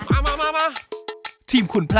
ขอบคุณครับขอบคุณค่ะ